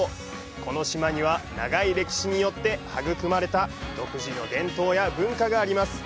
この島には長い歴史によって育まれた独自の伝統や文化があります。